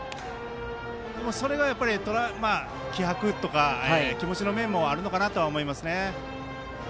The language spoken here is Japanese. それが、気迫とか気持ちの面もあるのかなと思います。